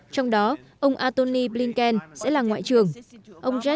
trong đó ông antony blinken sẽ là một trong những nhân vật đối ngoại an ninh chống biến đổi khí hậu